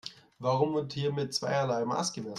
Warum wird hier mit zweierlei Maß gemessen?